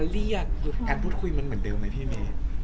มีอยากรู้ว่าการพูดคุยมันเหมือนเดิมไหมพี่เมย์